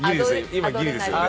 今ギリですよね。